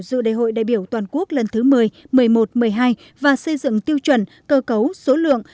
dự đề hội đại biểu toàn quốc lần thứ một mươi một mươi một một mươi hai và xây dựng tiêu chuẩn cơ cấu số lượng